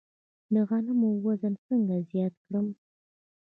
د غنمو وزن څنګه زیات کړم؟